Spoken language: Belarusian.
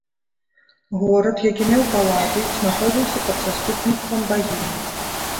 Горад, які меў паладый, знаходзіўся пад заступніцтвам багіні.